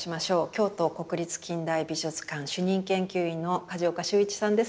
京都国立近代美術館主任研究員の梶岡秀一さんです。